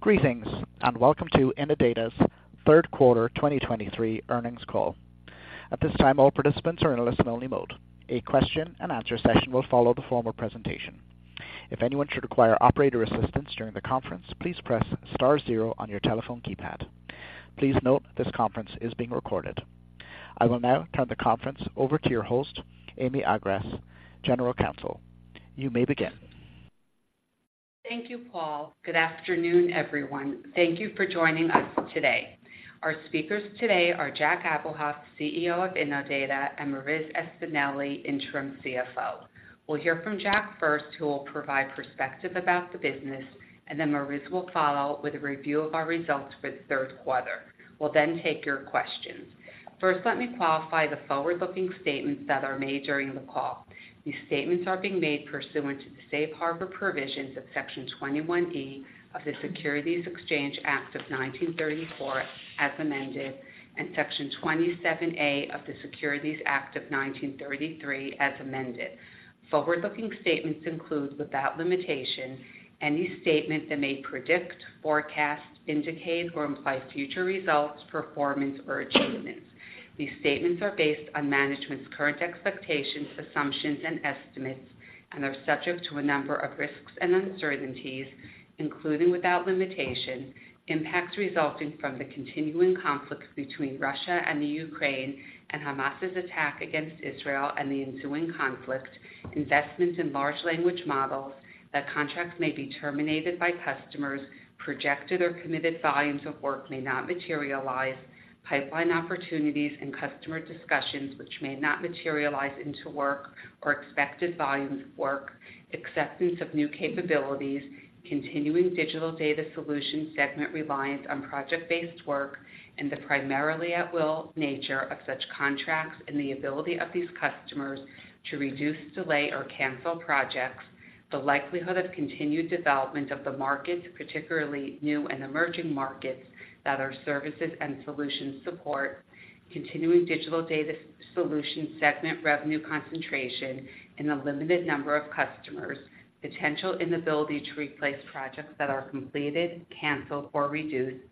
Greetings, and welcome to Innodata's third quarter 2023 earnings call. At this time, all participants are in a listen-only mode. A question-and-answer session will follow the formal presentation. If anyone should require operator assistance during the conference, please press star zero on your telephone keypad. Please note, this conference is being recorded. I will now turn the conference over to your host, Amy Agress, General Counsel. You may begin. Thank you, Paul. Good afternoon, everyone. Thank you for joining us today. Our speakers today are Jack Abuhoff, CEO of Innodata, and Marissa Espineli, Interim CFO. We'll hear from Jack first, who will provide perspective about the business, and then Marissa will follow with a review of our results for the third quarter. We'll then take your questions. First, let me qualify the forward-looking statements that are made during the call. These statements are being made pursuant to the Safe Harbor Provisions of Section 21E of the Securities Exchange Act of 1934, as amended, and Section 27A of the Securities Act of 1933, as amended. Forward-looking statements include, without limitation, any statement that may predict, forecast, indicate, or imply future results, performance, or achievements. These statements are based on management's current expectations, assumptions, and estimates and are subject to a number of risks and uncertainties, including, without limitation, impacts resulting from the continuing conflict between Russia and the Ukraine, and Hamas's attack against Israel and the ensuing conflict, investment in large language models, that contracts may be terminated by customers, projected or committed volumes of work may not materialize, pipeline opportunities and customer discussions which may not materialize into work or expected volumes of work, acceptance of new capabilities, continuing Digital Data Solutions segment reliance on project-based work, and the primarily at-will nature of such contracts and the ability of these customers to reduce, delay, or cancel projects. The likelihood of continued development of the markets, particularly new and emerging markets, that our services and solutions support, continuing digital data solutions segment revenue concentration, and the limited number of customers, potential inability to replace projects that are completed, canceled, or reduced,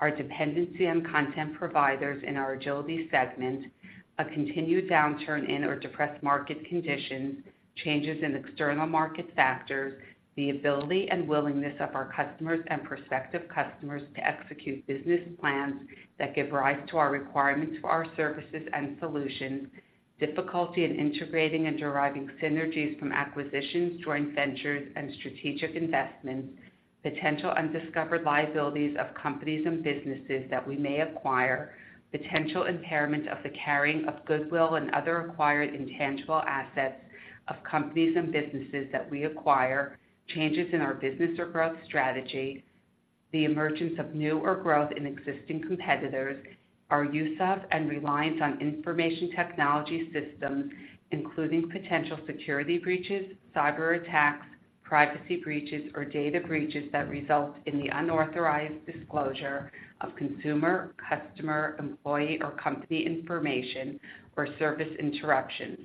our dependency on content providers in our Agility segment, a continued downturn in or depressed market conditions, changes in external market factors, the ability and willingness of our customers and prospective customers to execute business plans that give rise to our requirement to our services and solutions. Difficulty in integrating and deriving synergies from acquisitions, joint ventures, and strategic investments. Potential undiscovered liabilities of companies and businesses that we may acquire. Potential impairment of the carrying of goodwill and other acquired intangible assets of companies and businesses that we acquire. Changes in our business or growth strategy. The emergence of new or growth in existing competitors. Our use of and reliance on information technology systems, including potential security breaches, cyberattacks, privacy breaches, or data breaches that result in the unauthorized disclosure of consumer, customer, employee, or company information, or service interruptions.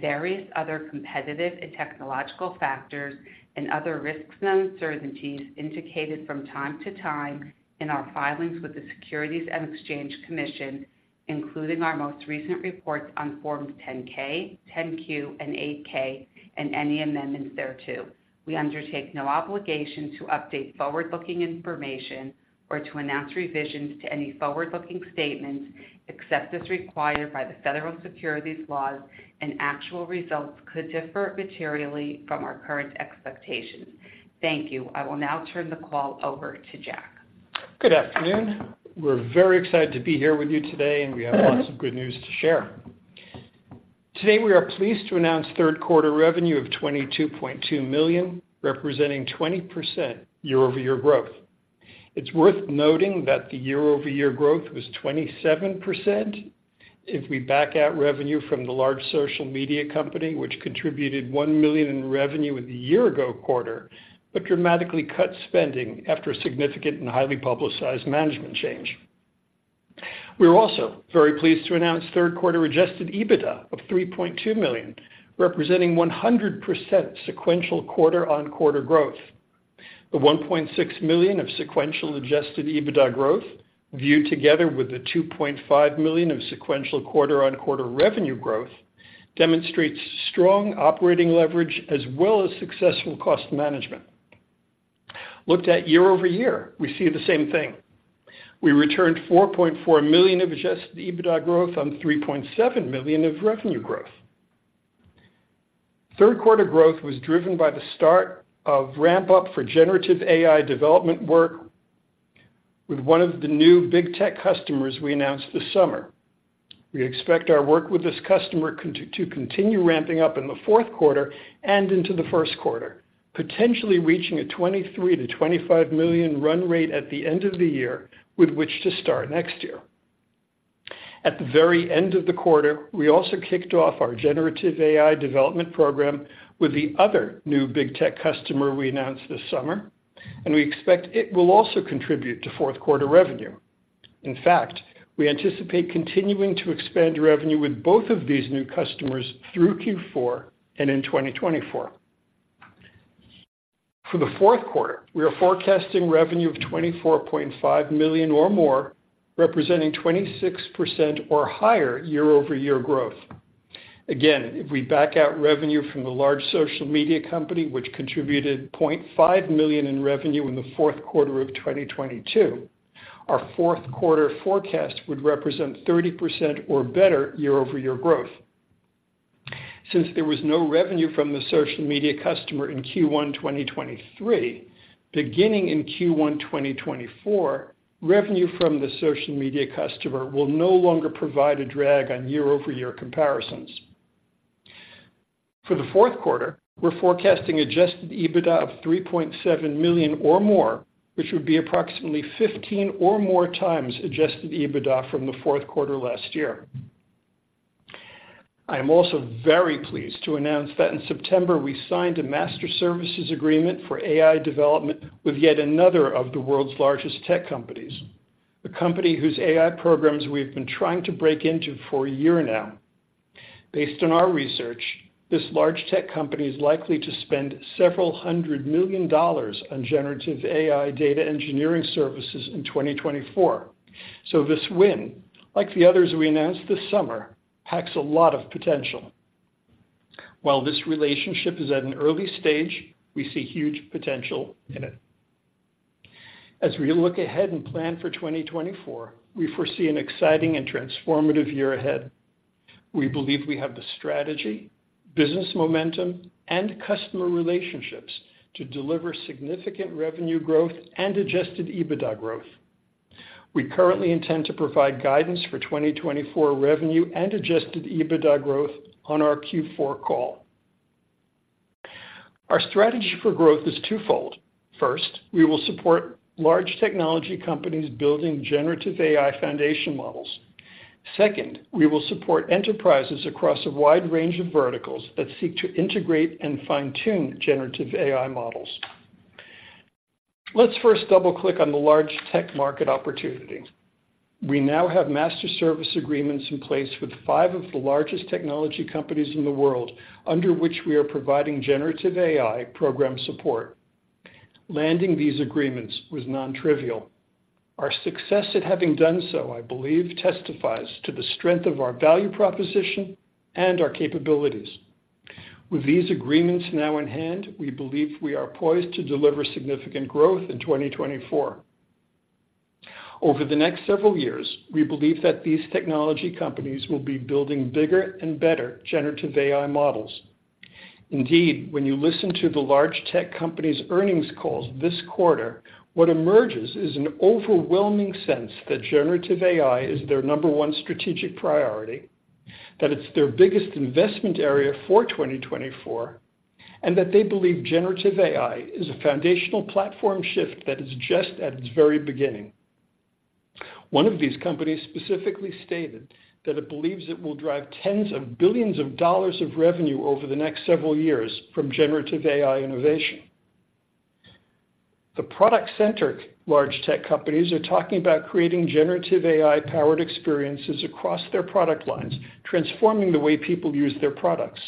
Various other competitive and technological factors and other risks and uncertainties indicated from time to time in our filings with the Securities and Exchange Commission, including our most recent reports on Forms 10-K, 10-Q, and 8-K, and any amendments thereto. We undertake no obligation to update forward-looking information or to announce revisions to any forward-looking statements, except as required by the federal securities laws, and actual results could differ materially from our current expectations. Thank you. I will now turn the call over to Jack. Good afternoon. We're very excited to be here with you today, and we have lots of good news to share. Today, we are pleased to announce third quarter revenue of $22.2 million, representing 20% year-over-year growth. It's worth noting that the year-over-year growth was 27% if we back out revenue from the large social media company, which contributed $1 million in revenue in the year-ago quarter, but dramatically cut spending after a significant and highly publicized management change. We are also very pleased to announce third quarter adjusted EBITDA of $3.2 million, representing 100% sequential quarter-over-quarter growth. The $1.6 million of sequential adjusted EBITDA growth, viewed together with the $2.5 million of sequential quarter-over-quarter revenue growth, demonstrates strong operating leverage as well as successful cost management. Looked at year-over-year, we see the same thing. We returned $4.4 million of adjusted EBITDA growth on $3.7 million of revenue growth. Third quarter growth was driven by the start of ramp-up for generative AI development work with one of the new big tech customers we announced this summer. We expect our work with this customer to continue ramping up in the fourth quarter and into the first quarter, potentially reaching a $23 million-$25 million run rate at the end of the year with which to start next year. At the very end of the quarter, we also kicked off our generative AI development program with the other new big tech customer we announced this summer, and we expect it will also contribute to fourth quarter revenue. In fact, we anticipate continuing to expand revenue with both of these new customers through Q4 and in 2024. For the fourth quarter, we are forecasting revenue of $24.5 million or more, representing 26% or higher year-over-year growth. Again, if we back out revenue from the large social media company, which contributed $0.5 million in revenue in the fourth quarter of 2022, our fourth quarter forecast would represent 30% or better year-over-year growth. Since there was no revenue from the social media customer in Q1 2023, beginning in Q1 2024, revenue from the social media customer will no longer provide a drag on year-over-year comparisons. For the fourth quarter, we're forecasting Adjusted EBITDA of $3.7 million or more, which would be approximately 15 or more times Adjusted EBITDA from the fourth quarter last year. I am also very pleased to announce that in September, we signed a master services agreement for AI development with yet another of the world's largest tech companies, a company whose AI programs we've been trying to break into for a year now. Based on our research, this large tech company is likely to spend $several hundred million on generative AI data engineering services in 2024. So this win, like the others we announced this summer, packs a lot of potential. While this relationship is at an early stage, we see huge potential in it. As we look ahead and plan for 2024, we foresee an exciting and transformative year ahead. We believe we have the strategy, business momentum, and customer relationships to deliver significant revenue growth and adjusted EBITDA growth. We currently intend to provide guidance for 2024 revenue and Adjusted EBITDA growth on our Q4 call. Our strategy for growth is twofold. First, we will support large technology companies building Generative AI foundation models. Second, we will support enterprises across a wide range of verticals that seek to integrate and fine-tune Generative AI models. Let's first double-click on the large tech market opportunity. We now have master service agreements in place with five of the largest technology companies in the world, under which we are providing Generative AI program support. Landing these agreements was nontrivial. Our success at having done so, I believe, testifies to the strength of our value proposition and our capabilities. With these agreements now in hand, we believe we are poised to deliver significant growth in 2024. Over the next several years, we believe that these technology companies will be building bigger and better generative AI models. Indeed, when you listen to the large tech companies' earnings calls this quarter, what emerges is an overwhelming sense that generative AI is their number one strategic priority, that it's their biggest investment area for 2024, and that they believe generative AI is a foundational platform shift that is just at its very beginning. One of these companies specifically stated that it believes it will drive tens of billions of dollars of revenue over the next several years from generative AI innovation. The product-centric large tech companies are talking about creating generative AI-powered experiences across their product lines, transforming the way people use their products.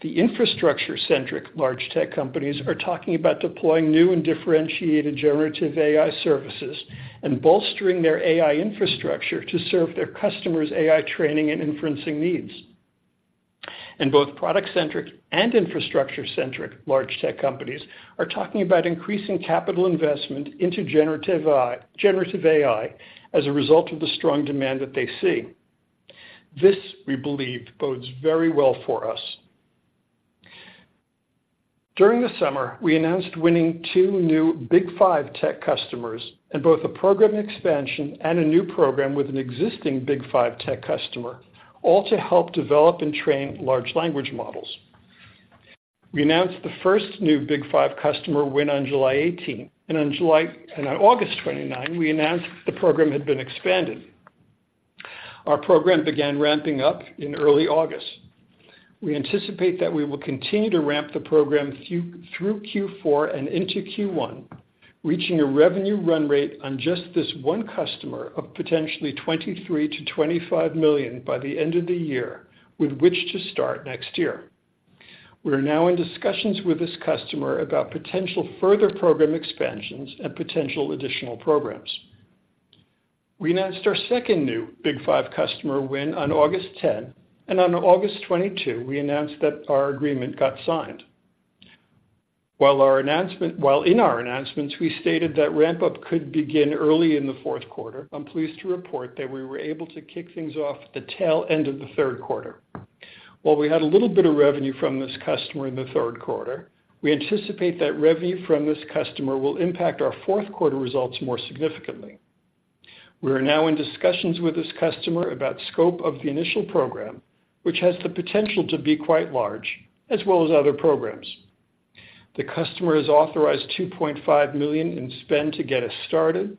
The infrastructure-centric large tech companies are talking about deploying new and differentiated generative AI services and bolstering their AI infrastructure to serve their customers' AI training and inferencing needs. Both product-centric and infrastructure-centric large tech companies are talking about increasing capital investment into generative AI as a result of the strong demand that they see. This, we believe, bodes very well for us. During the summer, we announced winning two new Big Five tech customers, and both a program expansion and a new program with an existing Big Five tech customer, all to help develop and train large language models. We announced the first new Big Five customer win on July 18, and on August 29, we announced the program had been expanded. Our program began ramping up in early August. We anticipate that we will continue to ramp the program through Q4 and into Q1, reaching a revenue run rate on just this one customer of potentially $23 million-$25 million by the end of the year, with which to start next year. We are now in discussions with this customer about potential further program expansions and potential additional programs. We announced our second new Big Five customer win on August 10, and on August 22, we announced that our agreement got signed. While in our announcements, we stated that ramp-up could begin early in the fourth quarter, I'm pleased to report that we were able to kick things off at the tail end of the third quarter. While we had a little bit of revenue from this customer in the third quarter, we anticipate that revenue from this customer will impact our fourth quarter results more significantly. We are now in discussions with this customer about scope of the initial program, which has the potential to be quite large, as well as other programs. The customer has authorized $2.5 million in spend to get us started,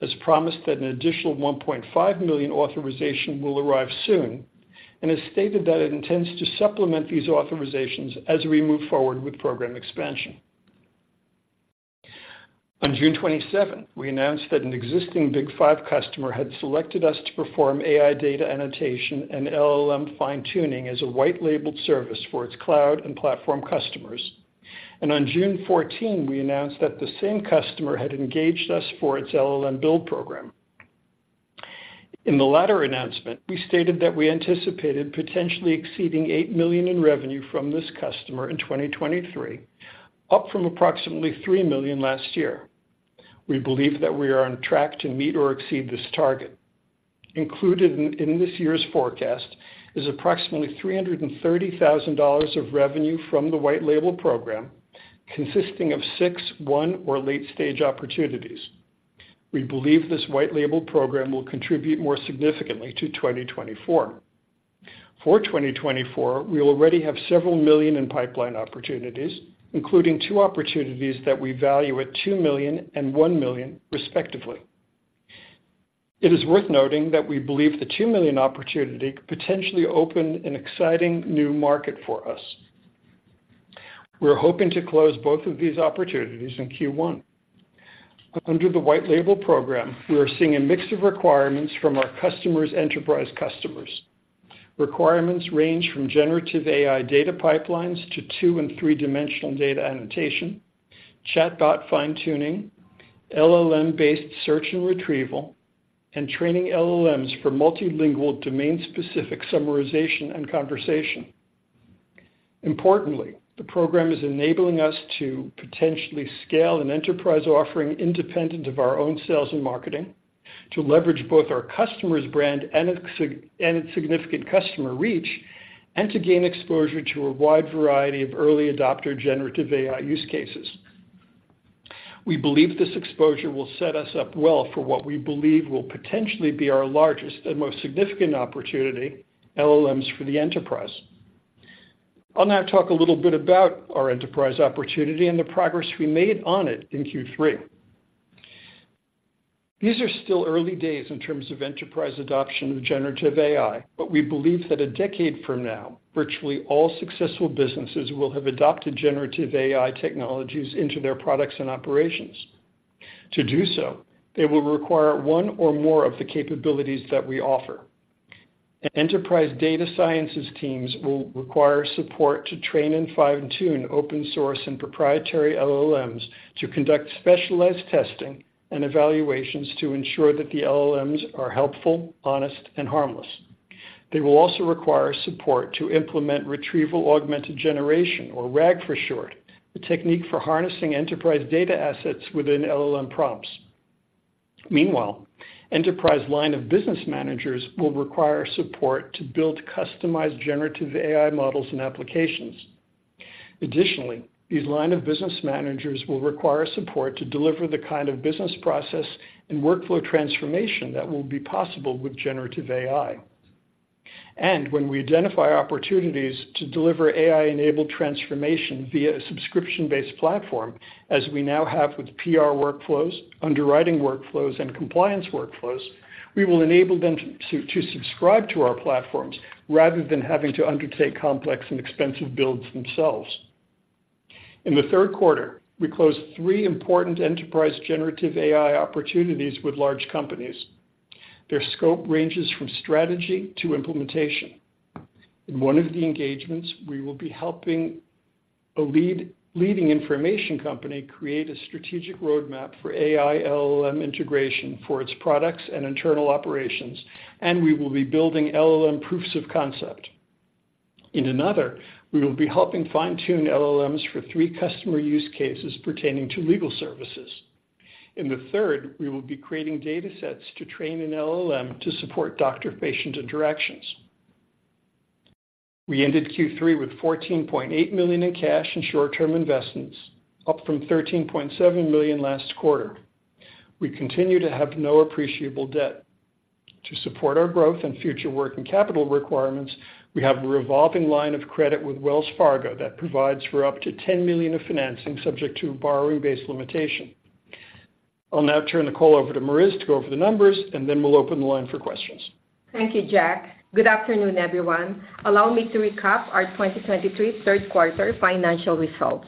has promised that an additional $1.5 million authorization will arrive soon, and has stated that it intends to supplement these authorizations as we move forward with program expansion. On June 27th, we announced that an existing Big Five customer had selected us to perform AI data annotation and LLM fine-tuning as a white-labeled service for its cloud and platform customers. On June 14, we announced that the same customer had engaged us for its LLM build program. In the latter announcement, we stated that we anticipated potentially exceeding $8 million in revenue from this customer in 2023, up from approximately $3 million last year. We believe that we are on track to meet or exceed this target. Included in this year's forecast is approximately $330,000 of revenue from the white label program, consisting of 6 won or late-stage opportunities. We believe this white label program will contribute more significantly to 2024. For 2024, we already have several million in pipeline opportunities, including two opportunities that we value at $2 million and $1 million, respectively. It is worth noting that we believe the $2 million opportunity could potentially open an exciting new market for us. We're hoping to close both of these opportunities in Q1. Under the White Label program, we are seeing a mix of requirements from our customers' enterprise customers. Requirements range from Generative AI data pipelines to 2- and 3-dimensional data annotation, chatbot fine-tuning, LLM-based search and retrieval, and training LLMs for multilingual, domain-specific summarization and conversation. Importantly, the program is enabling us to potentially scale an enterprise offering independent of our own sales and marketing, to leverage both our customers' brand and its significant customer reach, and to gain exposure to a wide variety of early adopter Generative AI use cases. We believe this exposure will set us up well for what we believe will potentially be our largest and most significant opportunity, LLMs, for the enterprise. I'll now talk a little bit about our enterprise opportunity and the progress we made on it in Q3. These are still early days in terms of enterprise adoption of generative AI, but we believe that a decade from now, virtually all successful businesses will have adopted generative AI technologies into their products and operations. To do so, they will require one or more of the capabilities that we offer. Enterprise data sciences teams will require support to train and fine-tune open source and proprietary LLMs to conduct specialized testing and evaluations to ensure that the LLMs are helpful, honest, and harmless. They will also require support to implement retrieval-augmented generation, or RAG for short, a technique for harnessing enterprise data assets within LLM prompts. Meanwhile, enterprise line of business managers will require support to build customized generative AI models and applications. Additionally, these line of business managers will require support to deliver the kind of business process and workflow transformation that will be possible with generative AI. When we identify opportunities to deliver AI-enabled transformation via a subscription-based platform, as we now have with PR workflows, underwriting workflows, and compliance workflows, we will enable them to, to subscribe to our platforms rather than having to undertake complex and expensive builds themselves. In the third quarter, we closed three important enterprise Generative AI opportunities with large companies. Their scope ranges from strategy to implementation. In one of the engagements, we will be helping a leading information company create a strategic roadmap for AI LLM integration for its products and internal operations, and we will be building LLM proofs of concept. In another, we will be helping fine-tune LLMs for three customer use cases pertaining to legal services. In the third, we will be creating datasets to train an LLM to support doctor-patient interactions. We ended Q3 with $14.8 million in cash and short-term investments, up from $13.7 million last quarter. We continue to have no appreciable debt. To support our growth and future working capital requirements, we have a revolving line of credit with Wells Fargo that provides for up to $10 million of financing, subject to a borrowing-based limitation. I'll now turn the call over to Marissa to go over the numbers, and then we'll open the line for questions. Thank you, Jack. Good afternoon, everyone. Allow me to recap our 2023 third quarter financial results.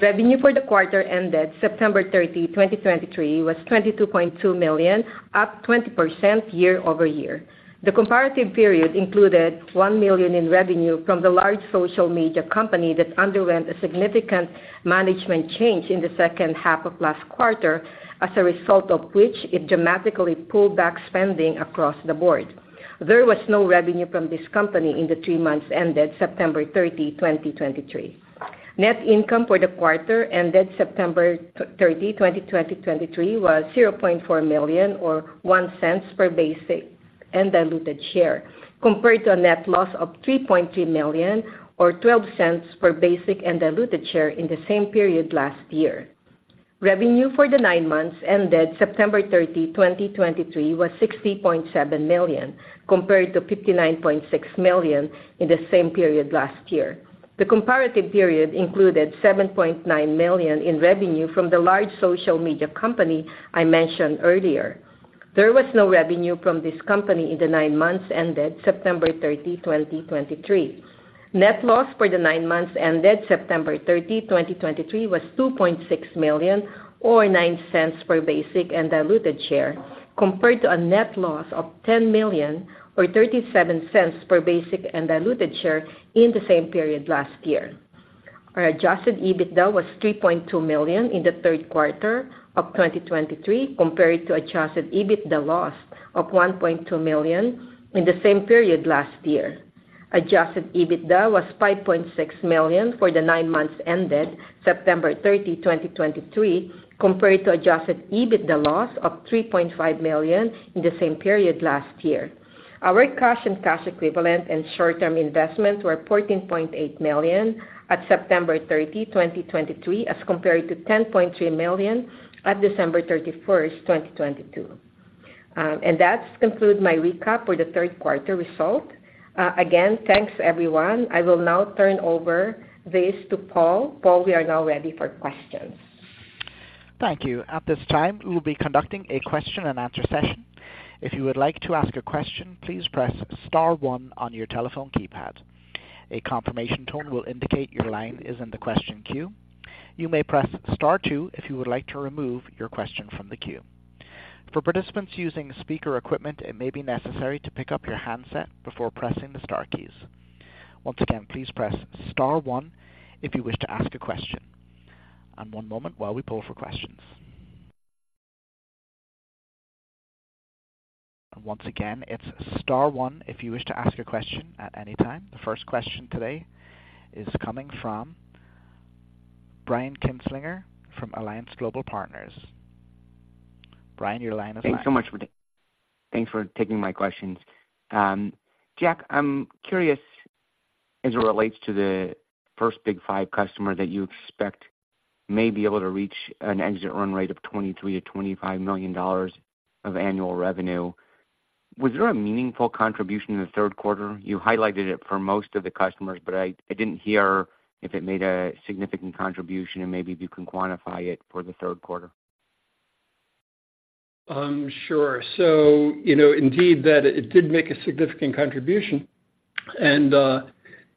Revenue for the quarter ended September 30, 2023, was $22.2 million, up 20% year-over-year. The comparative period included $1 million in revenue from the large social media company that underwent a significant management change in the second half of last quarter, as a result of which it dramatically pulled back spending across the board. There was no revenue from this company in the three months ended September 30, 2023. Net income for the quarter ended September 30, 2023, was $0.4 million, or $0.01 per basic and diluted share, compared to a net loss of $3.3 million, or $0.12 per basic and diluted share in the same period last year. Revenue for the 9 months ended September 30, 2023, was $60.7 million, compared to $59.6 million in the same period last year. The comparative period included $7.9 million in revenue from the large social media company I mentioned earlier.... There was no revenue from this company in the 9 months ended September 30, 2023. Net loss for the 9 months ended September 30, 2023, was $2.6 million, or $0.09 per basic and diluted share, compared to a net loss of $10 million, or $0.37 per basic and diluted share in the same period last year. Our Adjusted EBITDA was $3.2 million in the third quarter of 2023, compared to Adjusted EBITDA loss of $1.2 million in the same period last year. Adjusted EBITDA was $5.6 million for the nine months ended September 30, 2023, compared to adjusted EBITDA loss of $3.5 million in the same period last year. Our cash and cash equivalents and short-term investments were $14.8 million at September 30, 2023, as compared to $10.3 million at December 31, 2022. That concludes my recap for the third quarter result. Again, thanks, everyone. I will now turn over this to Paul. Paul, we are now ready for questions. Thank you. At this time, we'll be conducting a question and answer session. If you would like to ask a question, please press star one on your telephone keypad. A confirmation tone will indicate your line is in the question queue. You may press star two if you would like to remove your question from the queue. For participants using speaker equipment, it may be necessary to pick up your handset before pressing the star keys. Once again, please press star one if you wish to ask a question. One moment while we pull for questions. Once again, it's star one if you wish to ask a question at any time. The first question today is coming from Brian Kinstlinger from Alliance Global Partners. Brian, your line is live. Thanks so much for that. Thanks for taking my questions. Jack, I'm curious, as it relates to the first big five customer that you expect may be able to reach an exit run rate of $23 million-$25 million of annual revenue, was there a meaningful contribution in the third quarter? You highlighted it for most of the customers, but I, I didn't hear if it made a significant contribution and maybe if you can quantify it for the third quarter. Sure. So you know, indeed, that it did make a significant contribution. And,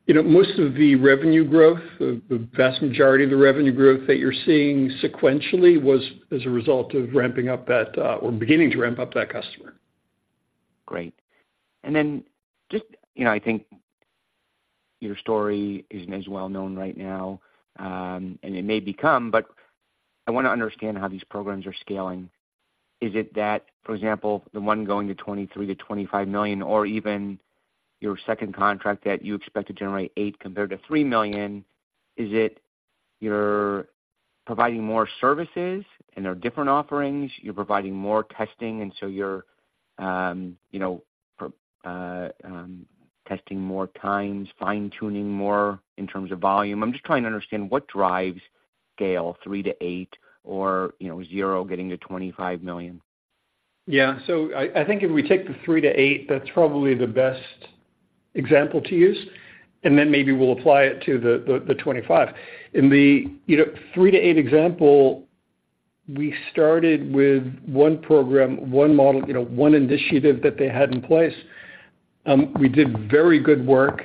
you know, most of the revenue growth, the vast majority of the revenue growth that you're seeing sequentially was as a result of ramping up that, or beginning to ramp up that customer. Great. Then just, you know, I think your story isn't as well known right now, and it may become, but I want to understand how these programs are scaling. Is it that, for example, the one going to $23 million-$25 million, or even your second contract that you expect to generate $8 million compared to $3 million, is it you're providing more services and there are different offerings, you're providing more testing, and so you're, you know, testing more times, fine-tuning more in terms of volume? I'm just trying to understand what drives scale $3 million-$8 million or, you know, 0 getting to $25 million. Yeah. So I think if we take the 3-8, that's probably the best example to use, and then maybe we'll apply it to the 25. In the, you know, 3-8 example, we started with one program, one model, you know, one initiative that they had in place. We did very good work,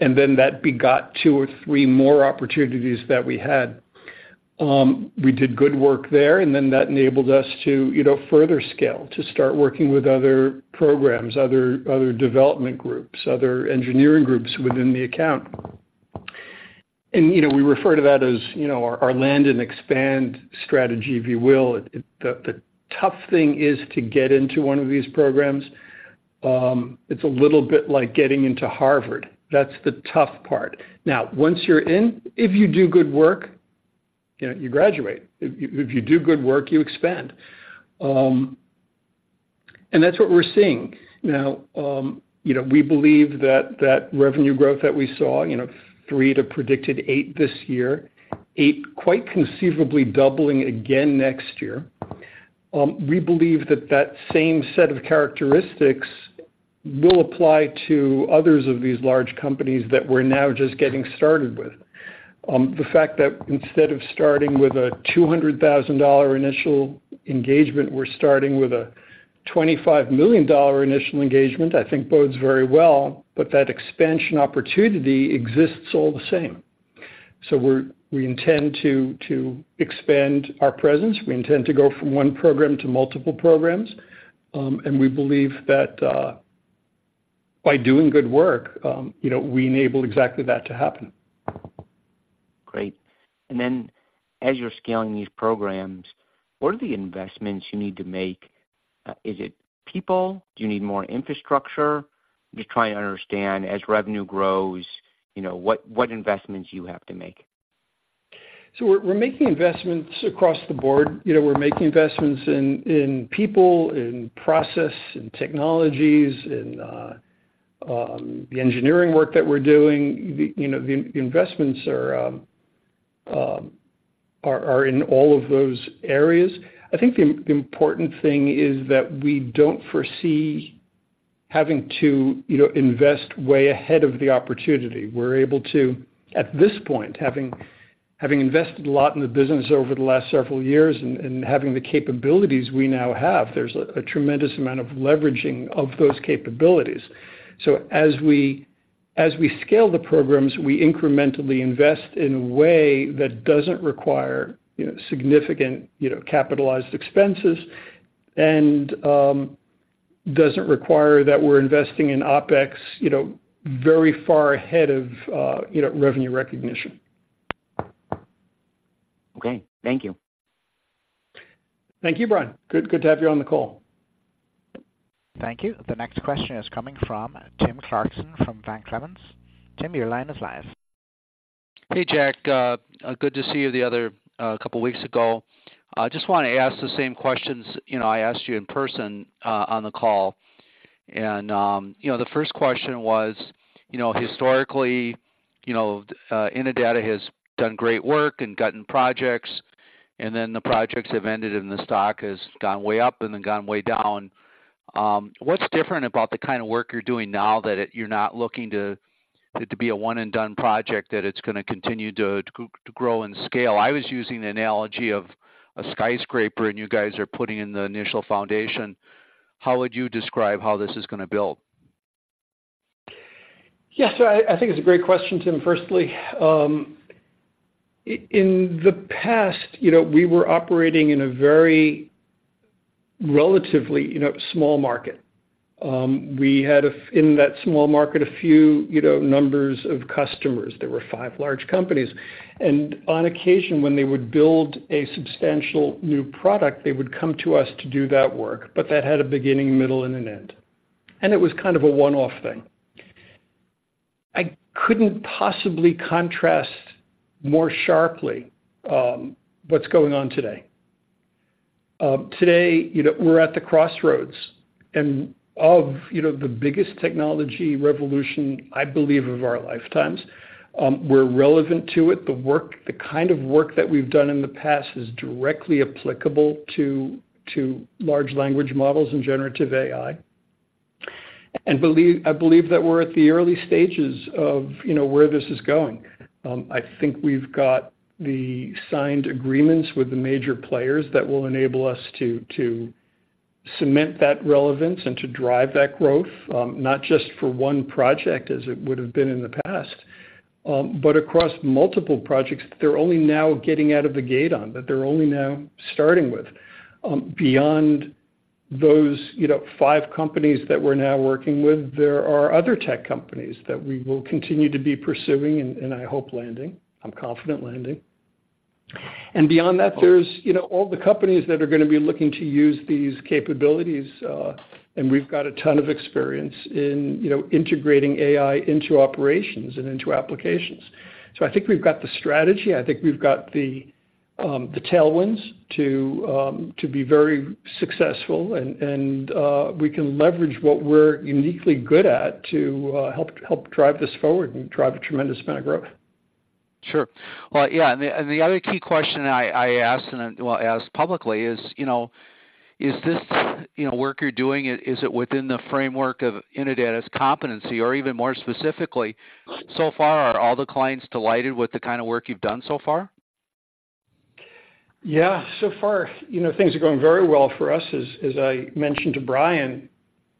and then that begot two or three more opportunities that we had. We did good work there, and then that enabled us to, you know, further scale, to start working with other programs, other development groups, other engineering groups within the account. And, you know, we refer to that as, you know, our land and expand strategy, if you will. The tough thing is to get into one of these programs. It's a little bit like getting into Harvard. That's the tough part. Now, once you're in, if you do good work, you know, you graduate. If, if you do good work, you expand. And that's what we're seeing now. You know, we believe that that revenue growth that we saw, you know, 3 to predicted 8 this year, 8 quite conceivably doubling again next year. We believe that that same set of characteristics will apply to others of these large companies that we're now just getting started with. The fact that instead of starting with a $200,000 initial engagement, we're starting with a $25 million initial engagement, I think bodes very well. But that expansion opportunity exists all the same. We intend to expand our presence. We intend to go from one program to multiple programs, and we believe that by doing good work, you know, we enable exactly that to happen. Great. And then as you're scaling these programs, what are the investments you need to make? Is it people? Do you need more infrastructure? Just trying to understand, as revenue grows, you know, what investments you have to make? So we're making investments across the board. You know, we're making investments in people, in process, in technologies, in the engineering work that we're doing. You know, the investments are in all of those areas. I think the important thing is that we don't foresee having to invest way ahead of the opportunity. We're able to, at this point, having invested a lot in the business over the last several years and having the capabilities we now have, there's a tremendous amount of leveraging of those capabilities. So as we scale the programs, we incrementally invest in a way that doesn't require significant capitalized expenses, and doesn't require that we're investing in OpEx very far ahead of revenue recognition. Okay, thank you. Thank you, Brian. Good, good to have you on the call. Thank you. The next question is coming from Tim Clarkson from Van Clemens. Tim, your line is live. Hey, Jack. Good to see you the other couple weeks ago. I just wanna ask the same questions, you know, I asked you in person on the call. You know, the first question was, you know, historically, you know, Innodata has done great work and gotten projects, and then the projects have ended, and the stock has gone way up and then gone way down. What's different about the kind of work you're doing now that it- you're not looking to it to be a one-and-done project, that it's gonna continue to grow and scale? I was using the analogy of a skyscraper, and you guys are putting in the initial foundation. How would you describe how this is gonna build? Yes, so I think it's a great question, Tim. Firstly, in the past, you know, we were operating in a very relatively, you know, small market. We had a, in that small market, a few, you know, numbers of customers. There were five large companies, and on occasion, when they would build a substantial new product, they would come to us to do that work, but that had a beginning, middle, and an end. And it was kind of a one-off thing. I couldn't possibly contrast more sharply, what's going on today. Today, you know, we're at the crossroads and of, you know, the biggest technology revolution, I believe, of our lifetimes. We're relevant to it. The work, the kind of work that we've done in the past is directly applicable to Large Language Models and Generative AI. I believe that we're at the early stages of, you know, where this is going. I think we've got the signed agreements with the major players that will enable us to cement that relevance and to drive that growth, not just for one project, as it would have been in the past, but across multiple projects that they're only now getting out of the gate on, that they're only now starting with. Beyond those, you know, five companies that we're now working with, there are other tech companies that we will continue to be pursuing and I hope landing. I'm confident landing. And beyond that, there's, you know, all the companies that are gonna be looking to use these capabilities, and we've got a ton of experience in, you know, integrating AI into operations and into applications. So I think we've got the strategy. I think we've got the tailwinds to be very successful, and we can leverage what we're uniquely good at to help drive this forward and drive a tremendous amount of growth. Sure. Well, yeah, and the other key question I asked, well, asked publicly is, you know, is this, you know, work you're doing, is it within the framework of Innodata's competency? Or even more specifically, so far, are all the clients delighted with the kind of work you've done so far? Yeah. So far, you know, things are going very well for us. As I mentioned to Brian,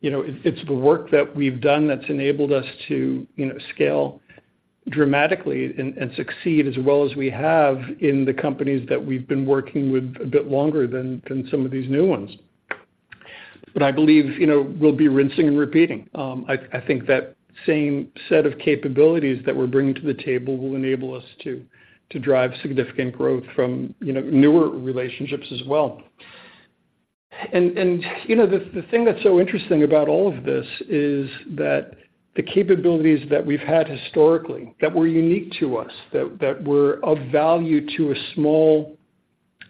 you know, it's the work that we've done that's enabled us to, you know, scale dramatically and succeed as well as we have in the companies that we've been working with a bit longer than some of these new ones. But I believe, you know, we'll be rinsing and repeating. I think that same set of capabilities that we're bringing to the table will enable us to drive significant growth from, you know, newer relationships as well. And you know, the thing that's so interesting about all of this is that the capabilities that we've had historically that were unique to us that were of value to a small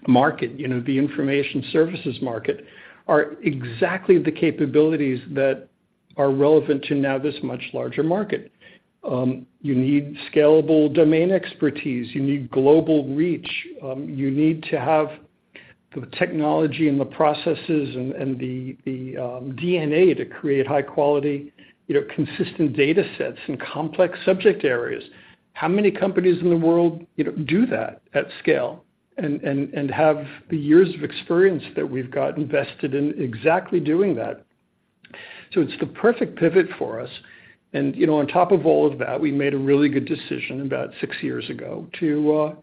market, you know, the information services market, are exactly the capabilities that are relevant to now this much larger market. You need scalable domain expertise, you need global reach, you need to have the technology and the processes and the DNA to create high quality, you know, consistent data sets and complex subject areas. How many companies in the world, you know, do that at scale and have the years of experience that we've got invested in exactly doing that? So it's the perfect pivot for us. You know, on top of all of that, we made a really good decision about six years ago to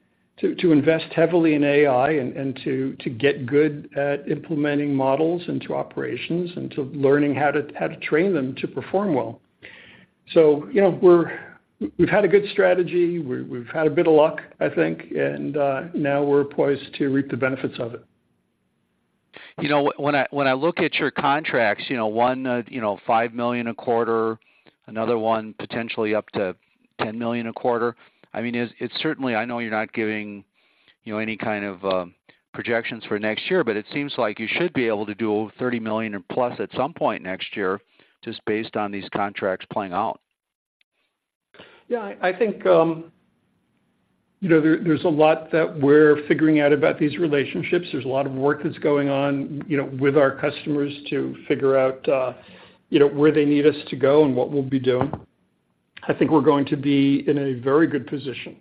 invest heavily in AI and to get good at implementing models into operations and to learning how to train them to perform well. So, you know, we've had a good strategy, we've had a bit of luck, I think, and now we're poised to reap the benefits of it. You know, when I, when I look at your contracts, you know, one $5 million a quarter, another one potentially up to $10 million a quarter, I mean, it's, it's certainly- I know you're not giving, you know, any kind of projections for next year, but it seems like you should be able to do over $30 million or plus at some point next year, just based on these contracts playing out.... Yeah, I think, you know, there, there's a lot that we're figuring out about these relationships. There's a lot of work that's going on, you know, with our customers to figure out, you know, where they need us to go and what we'll be doing. I think we're going to be in a very good position,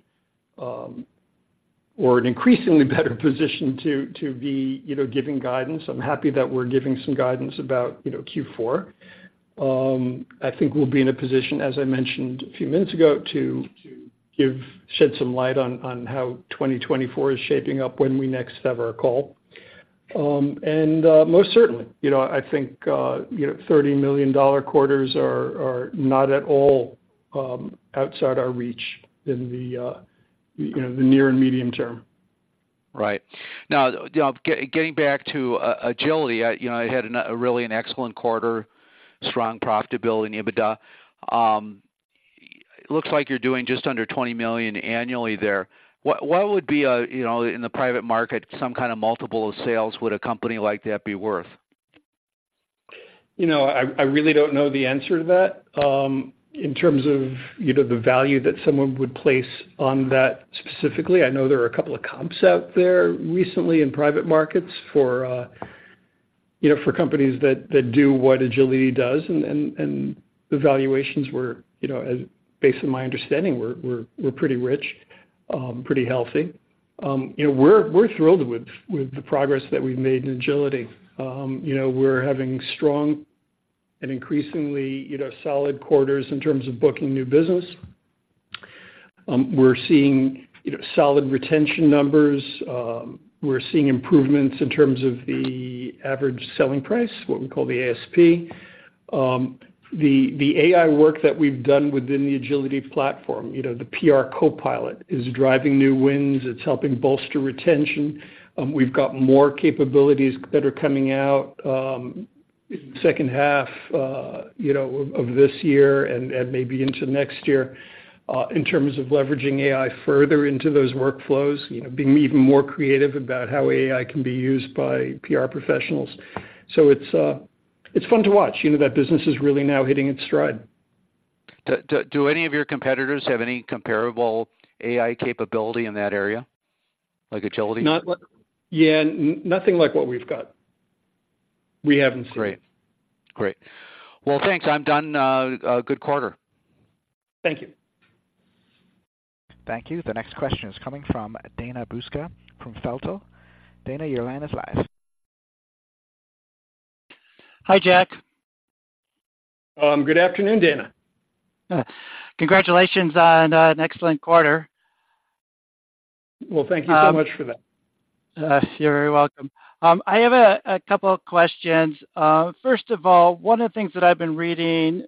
or an increasingly better position to be, you know, giving guidance. I'm happy that we're giving some guidance about, you know, Q4. I think we'll be in a position, as I mentioned a few minutes ago, to shed some light on how 2024 is shaping up when we next have our call. Most certainly, you know, I think, you know, $30 million quarters are not at all outside our reach in the near and medium term. Right. Now, you know, getting back to Agility, you know, it had a really excellent quarter, strong profitability in EBITDA. It looks like you're doing just under $20 million annually there. What would be, you know, in the private market, some kind of multiple of sales, would a company like that be worth? You know, I really don't know the answer to that. In terms of, you know, the value that someone would place on that specifically, I know there are a couple of comps out there recently in private markets for, you know, for companies that do what Agility does, and the valuations were, you know, as based on my understanding, were pretty rich, pretty healthy. You know, we're thrilled with the progress that we've made in Agility. You know, we're having strong and increasingly, you know, solid quarters in terms of booking new business. We're seeing, you know, solid retention numbers. We're seeing improvements in terms of the average selling price, what we call the ASP. The AI work that we've done within the Agility platform, you know, the PR CoPilot, is driving new wins. It's helping bolster retention. We've got more capabilities that are coming out, second half, you know, of this year and maybe into next year, in terms of leveraging AI further into those workflows, you know, being even more creative about how AI can be used by PR professionals. So it's, it's fun to watch. You know, that business is really now hitting its stride. Do any of your competitors have any comparable AI capability in that area, like Agility? Not like... Yeah, nothing like what we've got. We haven't seen it. Great. Great. Well, thanks. I'm done. A good quarter. Thank you. Thank you. The next question is coming from Dana Buska from Feltl. Dana, your line is live. Hi, Jack. Good afternoon, Dana. Congratulations on an excellent quarter. Well, thank you so much for that. You're very welcome. I have a couple of questions. First of all, one of the things that I've been reading in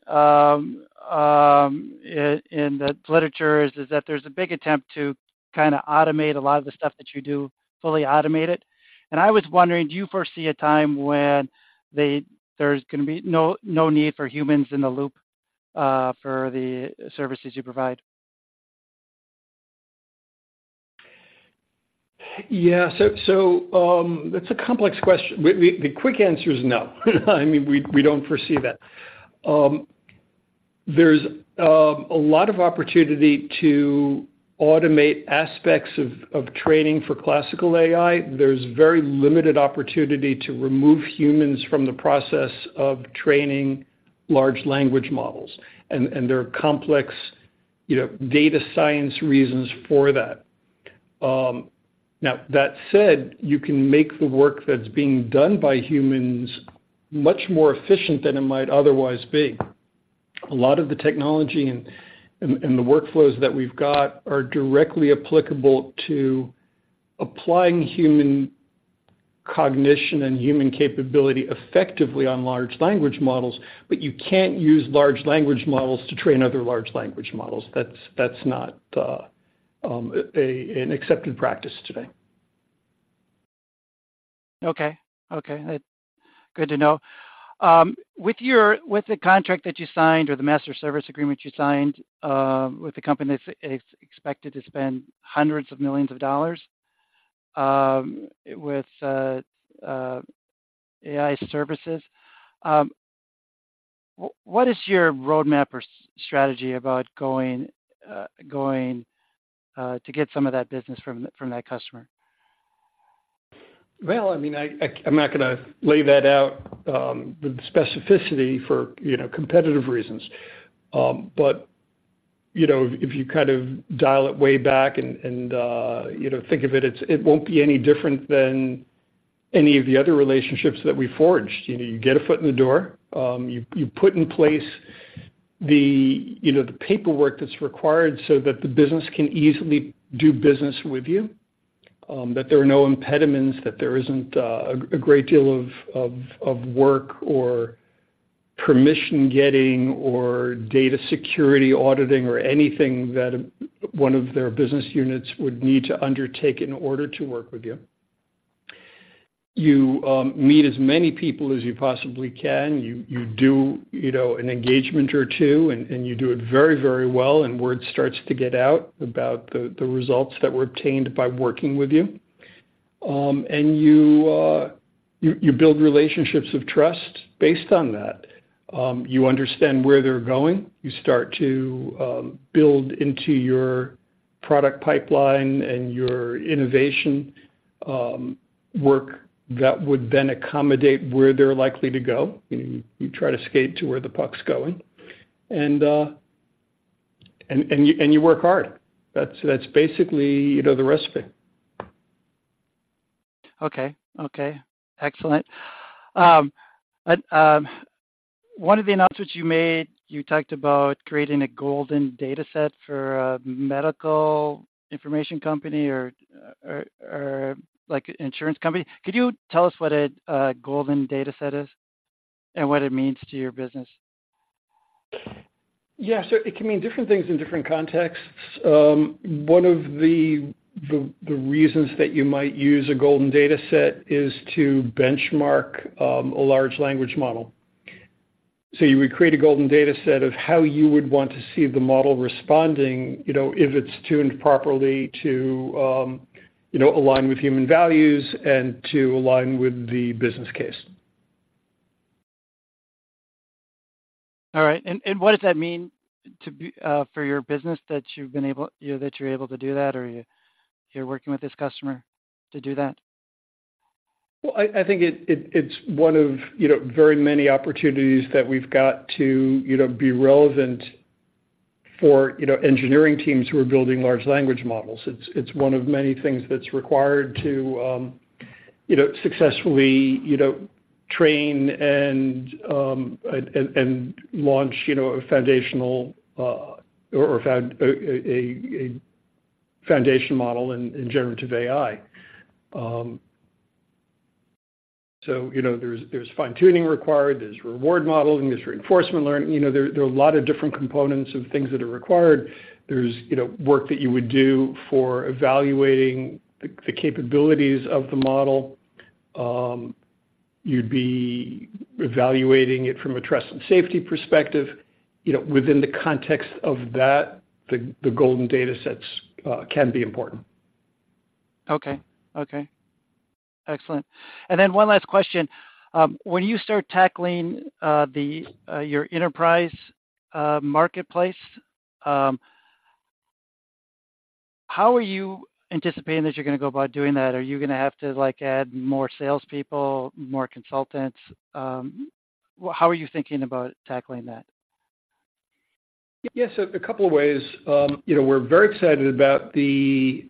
the literature is that there's a big attempt to kinda automate a lot of the stuff that you do, fully automate it. I was wondering, do you foresee a time when there's gonna be no need for humans in the loop for the services you provide? Yeah. That's a complex question. The quick answer is no. I mean, we don't foresee that. There's a lot of opportunity to automate aspects of training for classical AI. There's very limited opportunity to remove humans from the process of training large language models, and there are complex, you know, data science reasons for that. Now, that said, you can make the work that's being done by humans much more efficient than it might otherwise be. A lot of the technology and the workflows that we've got are directly applicable to applying human cognition and human capability effectively on large language models, but you can't use large language models to train other large language models. That's not an accepted practice today. Okay. Okay, that's good to know. With the contract that you signed or the master service agreement you signed with the company, it's expected to spend $ hundreds of millions with AI services. What is your roadmap or strategy about going to get some of that business from that customer? Well, I mean, I'm not gonna lay that out, the specificity for, you know, competitive reasons. But, you know, if you kind of dial it way back and you know, think of it, it won't be any different than any of the other relationships that we forged. You know, you get a foot in the door. You put in place you know, the paperwork that's required so that the business can easily do business with you. That there are no impediments, that there isn't a great deal of work or permission-getting or data security auditing or anything that one of their business units would need to undertake in order to work with you. You meet as many people as you possibly can. You do, you know, an engagement or two, and you do it very, very well, and word starts to get out about the results that were obtained by working with you. And you build relationships of trust based on that. You understand where they're going. You start to build into your product pipeline and your innovation work that would then accommodate where they're likely to go. You try to skate to where the puck's going, and you work hard. That's basically, you know, the recipe. Okay. Okay, excellent. But, one of the announcements you made, you talked about creating a golden dataset for a medical information company or like insurance company. Could you tell us what a golden dataset is and what it means to your business? Yeah, so it can mean different things in different contexts. One of the reasons that you might use a golden dataset is to benchmark a large language model. So you would create a golden dataset of how you would want to see the model responding, you know, if it's tuned properly to align with human values and to align with the business case. All right. And what does that mean to be... for your business, that you've been able, you know, that you're able to do that, or you're working with this customer to do that? Well, I think it's one of, you know, very many opportunities that we've got to, you know, be relevant for, you know, engineering teams who are building large language models. It's one of many things that's required to, you know, successfully, you know, train and launch, you know, a foundational or foundation model in Generative AI. So, you know, there's fine-tuning required, there's reward modeling, there's reinforcement learning. You know, there are a lot of different components of things that are required. There's, you know, work that you would do for evaluating the capabilities of the model. You'd be evaluating it from a trust and safety perspective. You know, within the context of that, the golden datasets can be important. Okay. Okay, excellent. And then one last question. When you start tackling your enterprise marketplace, how are you anticipating that you're gonna go about doing that? Are you gonna have to, like, add more salespeople, more consultants? Well, how are you thinking about tackling that? Yes, a couple of ways. You know, we're very excited about the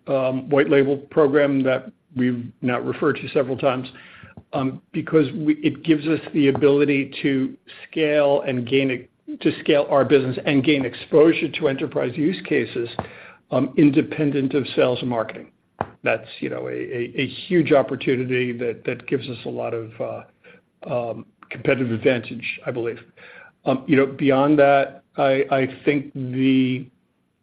White Label program that we've now referred to several times, because it gives us the ability to scale our business and gain exposure to enterprise use cases, independent of sales and marketing. That's, you know, a huge opportunity that gives us a lot of competitive advantage, I believe. You know, beyond that, I think the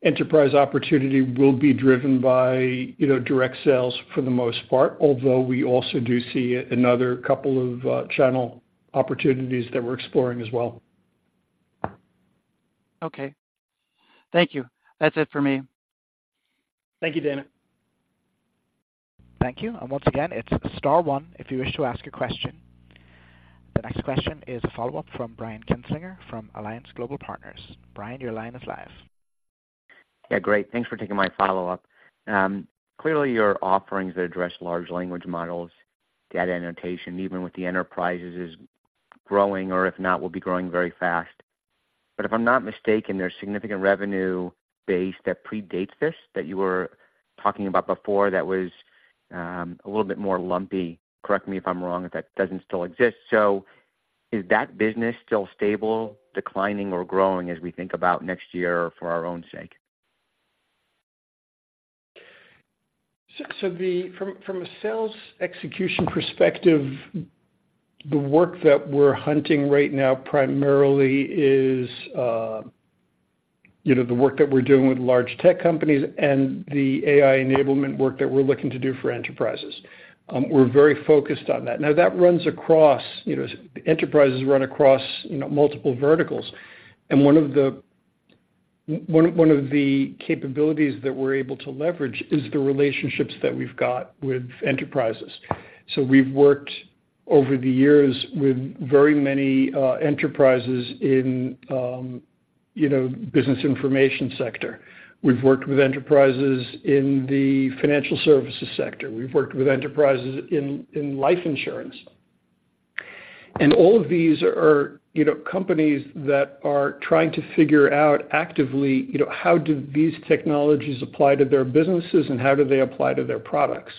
enterprise opportunity will be driven by, you know, direct sales for the most part, although we also do see another couple of channel opportunities that we're exploring as well. Okay. Thank you. That's it for me. Thank you, Dana. Thank you. Once again, it's star one if you wish to ask a question. The next question is a follow-up from Brian Kinstlinger from Alliance Global Partners. Brian, your line is live. Yeah, great. Thanks for taking my follow-up. Clearly, your offerings that address large language models, data annotation, even with the enterprises, is growing, or if not, will be growing very fast. But if I'm not mistaken, there's significant revenue base that predates this, that you were talking about before that was, a little bit more lumpy. Correct me if I'm wrong, if that doesn't still exist. So is that business still stable, declining, or growing as we think about next year or for our own sake? From a sales execution perspective, the work that we're hunting right now primarily is, you know, the work that we're doing with large tech companies and the AI enablement work that we're looking to do for enterprises. We're very focused on that. Now, that runs across, you know, enterprises run across, you know, multiple verticals. And one of the capabilities that we're able to leverage is the relationships that we've got with enterprises. So we've worked over the years with very many enterprises in, you know, business information sector. We've worked with enterprises in the financial services sector. We've worked with enterprises in life insurance. All of these are, you know, companies that are trying to figure out actively, you know, how do these technologies apply to their businesses and how do they apply to their products?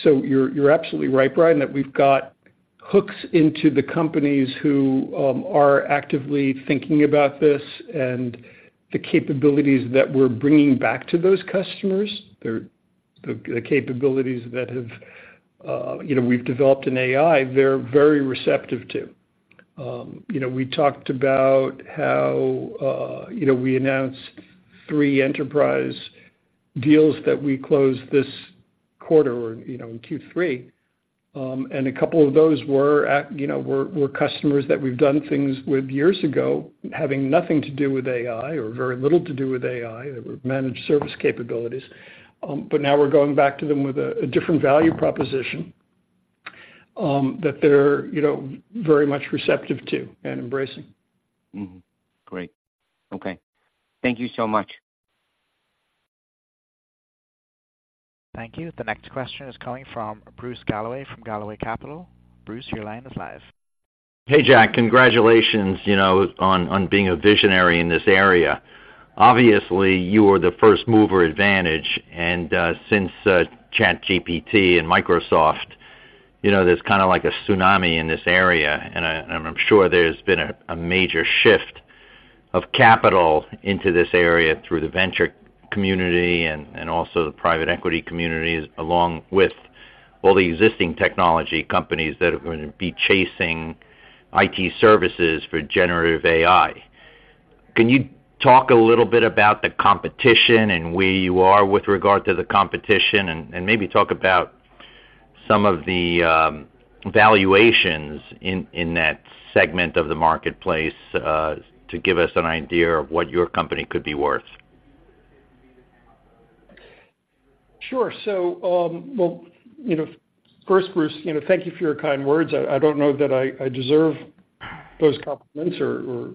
So you're absolutely right, Brian, that we've got hooks into the companies who are actively thinking about this and the capabilities that we're bringing back to those customers. They're the capabilities that have, you know, we've developed in AI; they're very receptive to. You know, we talked about how, you know, we announced three enterprise deals that we closed this quarter or, you know, in Q3. A couple of those were, you know, were customers that we've done things with years ago, having nothing to do with AI or very little to do with AI; they were managed service capabilities. But now we're going back to them with a different value proposition... that they're, you know, very much receptive to and embracing. Mm-hmm. Great. Okay. Thank you so much. Thank you. The next question is coming from Bruce Galloway from Galloway Capital. Bruce, your line is live. Hey, Jack, congratulations, you know, on being a visionary in this area. Obviously, you were the first mover advantage, and since ChatGPT and Microsoft, you know, there's kind of like a tsunami in this area, and I'm sure there's been a major shift of capital into this area through the venture community and also the private equity communities, along with all the existing technology companies that are gonna be chasing IT services for generative AI. Can you talk a little bit about the competition and where you are with regard to the competition, and maybe talk about some of the valuations in that segment of the marketplace to give us an idea of what your company could be worth? Sure. So, well, you know, first, Bruce, you know, thank you for your kind words. I don't know that I deserve those compliments or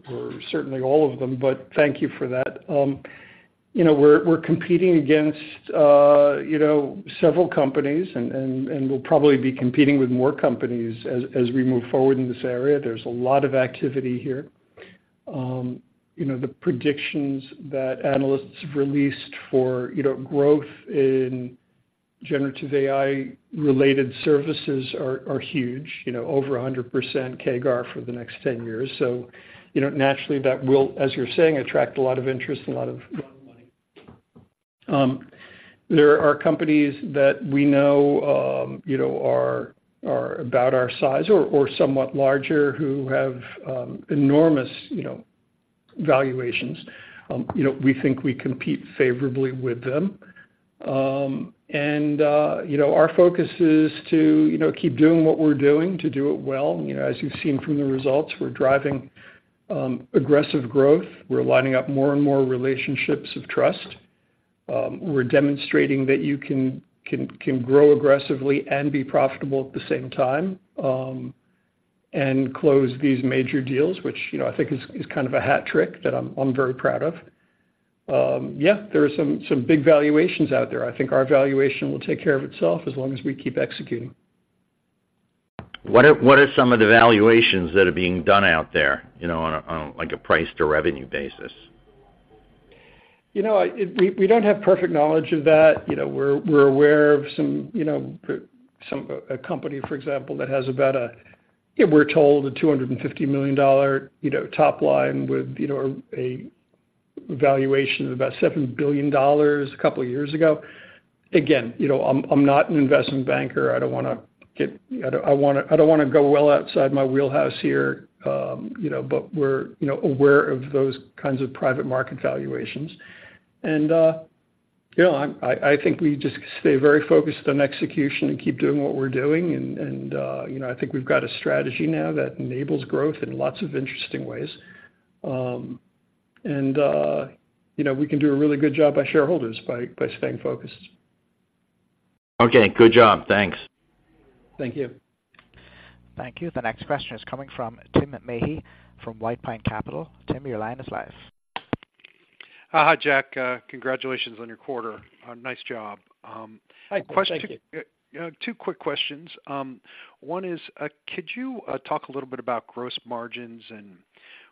certainly all of them, but thank you for that. You know, we're competing against you know, several companies and we'll probably be competing with more companies as we move forward in this area. There's a lot of activity here. You know, the predictions that analysts have released for you know, growth in Generative AI-related services are huge, you know, over 100% CAGR for the next 10 years. So, you know, naturally, that will, as you're saying, attract a lot of interest and a lot of money. There are companies that we know, you know, are about our size or somewhat larger, who have enormous, you know, valuations. You know, we think we compete favorably with them. You know, our focus is to, you know, keep doing what we're doing, to do it well. You know, as you've seen from the results, we're driving aggressive growth. We're lining up more and more relationships of trust. We're demonstrating that you can grow aggressively and be profitable at the same time, and close these major deals, which, you know, I think is kind of a hat trick that I'm very proud of. Yeah, there are some big valuations out there. I think our valuation will take care of itself as long as we keep executing. What are some of the valuations that are being done out there, you know, like, on a price-to-revenue basis? You know, we don't have perfect knowledge of that. You know, we're aware of some, you know, a company, for example, that has about a... Yeah, we're told a $250 million, you know, top line with, you know, a valuation of about $7 billion a couple of years ago. Again, you know, I'm not an investment banker. I don't wanna go well outside my wheelhouse here, you know, but we're, you know, aware of those kinds of private market valuations. And, you know, I think we just stay very focused on execution and keep doing what we're doing. And, you know, I think we've got a strategy now that enables growth in lots of interesting ways. You know, we can do a really good job by shareholders by staying focused. Okay, good job. Thanks. Thank you. Thank you. The next question is coming from Tim Madey from White Pine Capital. Tim, your line is live. Hi, Jack. Congratulations on your quarter. Nice job. Hi, thank you. Two quick questions. One is, could you talk a little bit about gross margins and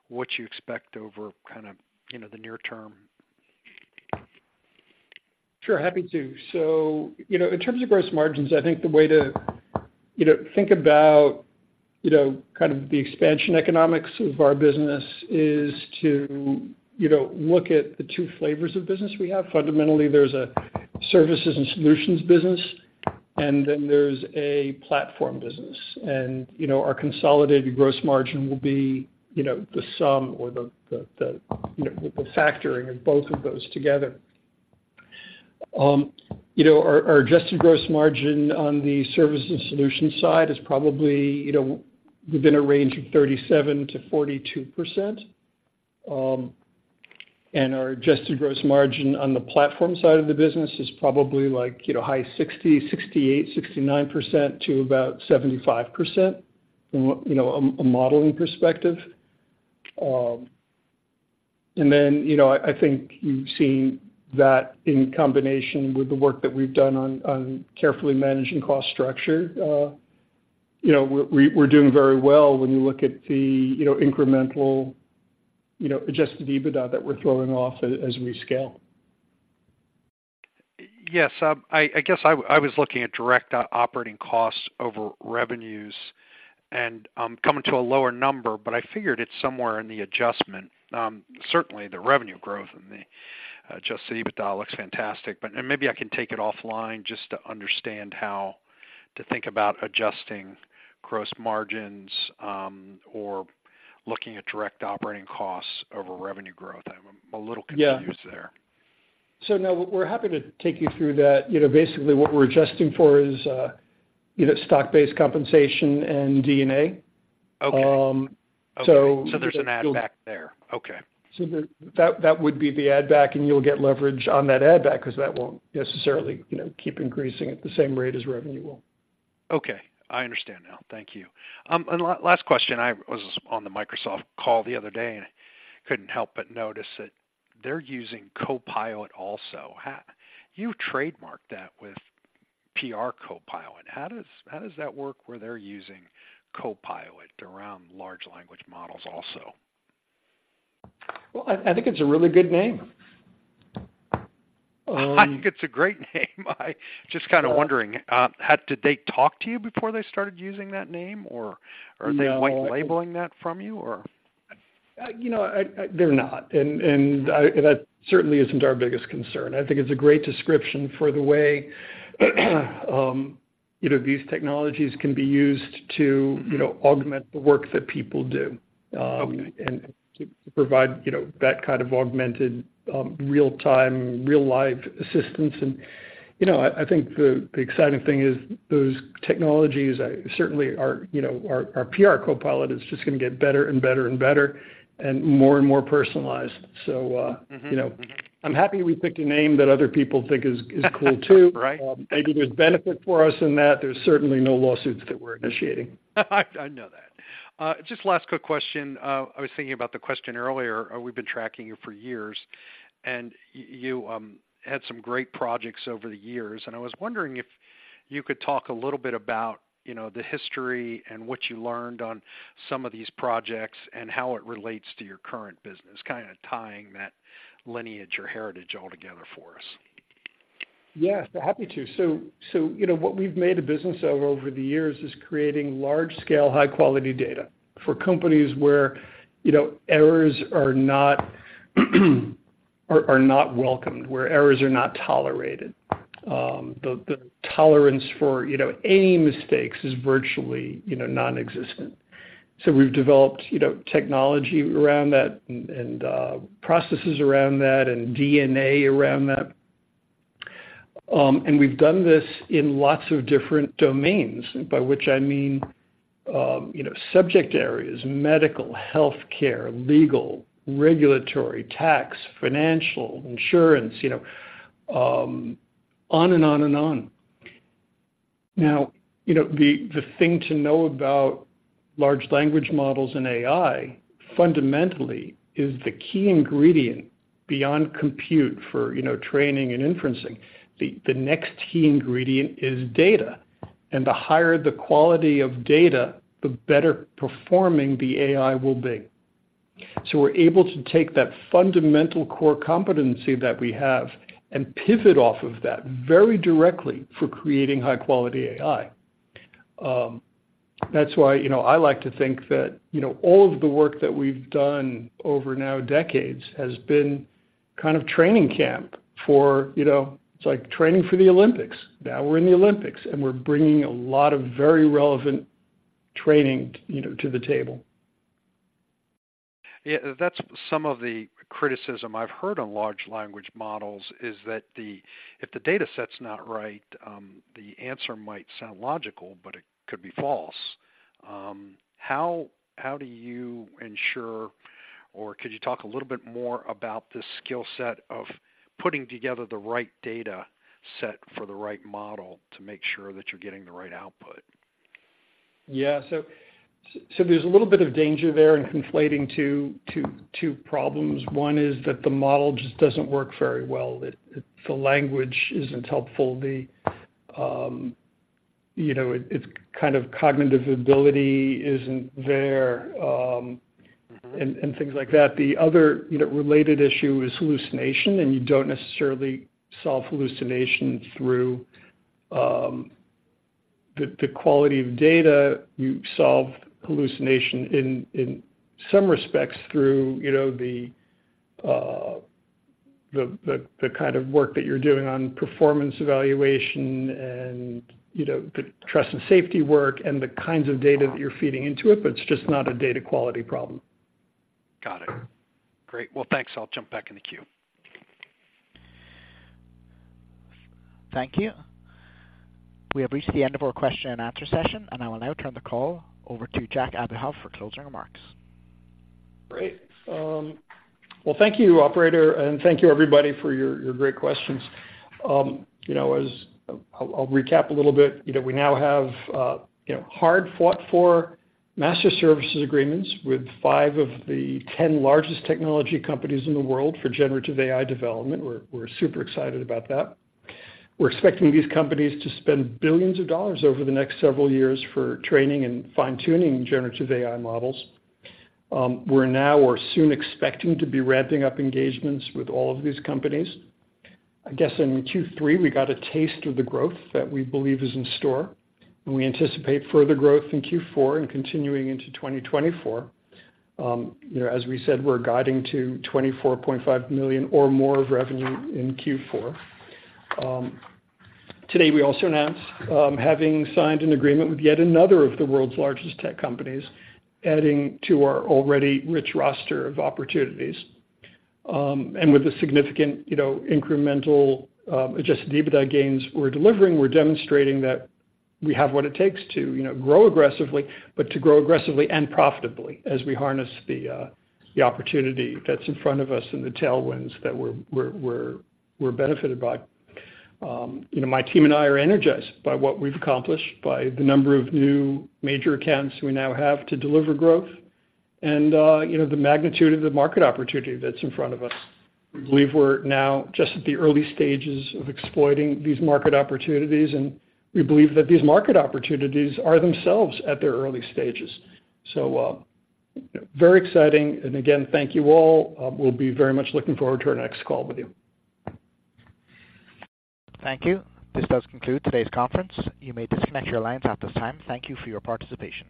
what you expect over kind of, you know, the near term? Sure, happy to. So, you know, in terms of gross margins, I think the way to, you know, think about, you know, kind of the expansion economics of our business is to, you know, look at the two flavors of business we have. Fundamentally, there's a services and solutions business, and then there's a platform business. And, you know, our consolidated gross margin will be, you know, the sum or the factoring of both of those together. You know, our adjusted gross margin on the services and solutions side is probably, you know, within a range of 37%-42%. And our adjusted gross margin on the platform side of the business is probably like, you know, high 60s, 68, 69% to about 75% from, you know, a modeling perspective. And then, you know, I think you've seen that in combination with the work that we've done on carefully managing cost structure. You know, we're doing very well when you look at the, you know, incremental adjusted EBITDA that we're throwing off as we scale. Yes, I guess I was looking at direct operating costs over revenues, and coming to a lower number, but I figured it's somewhere in the adjustment. Certainly, the revenue growth and the Adjusted EBITDA looks fantastic, but... And maybe I can take it offline just to understand how to think about adjusting gross margins, or looking at direct operating costs over revenue growth. I'm a little confused there. Yeah. So no, we're happy to take you through that. You know, basically, what we're adjusting for is, you know, stock-based compensation and D&A.... Okay. So there's an add back there. Okay. So that would be the add-back, and you'll get leverage on that add back, because that won't necessarily, you know, keep increasing at the same rate as revenue will. Okay, I understand now. Thank you. And last question, I was on the Microsoft call the other day and couldn't help but notice that they're using Copilot also. You trademarked that with PR CoPilot. How does, how does that work where they're using Copilot around large language models also? Well, I think it's a really good name. I think it's a great name. I just kind of wondering, did they talk to you before they started using that name, or are they- No. White labeling that from you, or? You know, I... They're not, and I, that certainly isn't our biggest concern. I think it's a great description for the way, you know, these technologies can be used to, you know, augment the work that people do. Okay. And to provide, you know, that kind of augmented, real-time, real-life assistance. And, you know, I think the exciting thing is those technologies certainly are, you know, our PR CoPilot is just gonna get better and better and better and more and more personalized. So, Mm-hmm. You know, I'm happy we picked a name that other people think is, is cool too. Right. Maybe there's benefit for us in that. There's certainly no lawsuits that we're initiating. I know that. Just last quick question. I was thinking about the question earlier. We've been tracking you for years, and you had some great projects over the years, and I was wondering if you could talk a little bit about, you know, the history and what you learned on some of these projects, and how it relates to your current business, kinda tying that lineage or heritage all together for us. Yeah, happy to. So, you know, what we've made a business of over the years is creating large-scale, high-quality data for companies where, you know, errors are not welcomed, where errors are not tolerated. The tolerance for, you know, any mistakes is virtually, you know, nonexistent. So we've developed, you know, technology around that and processes around that and DNA around that. And we've done this in lots of different domains, by which I mean, you know, subject areas, medical, healthcare, legal, regulatory, tax, financial, insurance, you know, on and on and on. Now, you know, the thing to know about large language models and AI fundamentally is the key ingredient beyond compute for, you know, training and inferencing. The next key ingredient is data, and the higher the quality of data, the better performing the AI will be. So we're able to take that fundamental core competency that we have and pivot off of that very directly for creating high-quality AI. That's why, you know, I like to think that, you know, all of the work that we've done over now decades has been kind of training camp for, you know... It's like training for the Olympics. Now we're in the Olympics, and we're bringing a lot of very relevant training, you know, to the table. Yeah, that's some of the criticism I've heard on large language models, is that if the dataset's not right, the answer might sound logical, but it could be false. How do you ensure, or could you talk a little bit more about the skill set of putting together the right dataset for the right model to make sure that you're getting the right output? Yeah. So there's a little bit of danger there in conflating two problems. One is that the model just doesn't work very well. It, the language isn't helpful. The, you know, it's kind of cognitive ability isn't there- And things like that. The other, you know, related issue is hallucination, and you don't necessarily solve hallucination through the quality of data. You solve hallucination in some respects through, you know, the kind of work that you're doing on performance evaluation and, you know, the trust and safety work and the kinds of data that you're feeding into it, but it's just not a data quality problem. Got it. Great. Well, thanks. I'll jump back in the queue. Thank you. We have reached the end of our question and answer session, and I will now turn the call over to Jack Abuhoff for closing remarks. Great. Well, thank you, operator, and thank you everybody for your great questions. You know, I'll recap a little bit. You know, we now have, you know, hard-fought-for master services agreements with 5 of the 10 largest technology companies in the world for generative AI development. We're super excited about that. We're expecting these companies to spend $ billions over the next several years for training and fine-tuning Generative AI models. We're now or soon expecting to be ramping up engagements with all of these companies. I guess in Q3, we got a taste of the growth that we believe is in store, and we anticipate further growth in Q4 and continuing into 2024. You know, as we said, we're guiding to $24.5 million or more of revenue in Q4. Today, we also announced having signed an agreement with yet another of the world's largest tech companies, adding to our already rich roster of opportunities. And with the significant, you know, incremental, adjusted EBITDA gains we're delivering, we're demonstrating that we have what it takes to, you know, grow aggressively, but to grow aggressively and profitably as we harness the, the opportunity that's in front of us and the tailwinds that we're benefited by. You know, my team and I are energized by what we've accomplished, by the number of new major accounts we now have to deliver growth and, you know, the magnitude of the market opportunity that's in front of us. We believe we're now just at the early stages of exploiting these market opportunities, and we believe that these market opportunities are themselves at their early stages. So, very exciting, and again, thank you all. We'll be very much looking forward to our next call with you. Thank you. This does conclude today's conference. You may disconnect your lines at this time. Thank you for your participation.